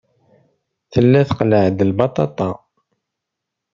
Tella tqelleɛ-d lbaṭaṭa.